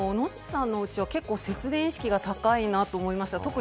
ノッチさんのおうちは節電意識が高いなと思いました、